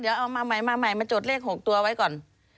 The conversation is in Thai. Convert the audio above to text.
เดี๋ยวเอาใหม่มาจดเลข๖ตัวไว้ก่อน